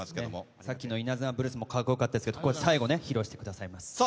さっきの稲妻ブルースも格好よかったですけど最後、披露してくれます。